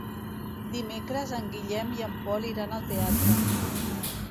Dimecres en Guillem i en Pol iran al teatre.